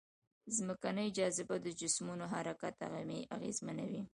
ځمکنۍ جاذبه د جسمونو حرکت اغېزمنوي.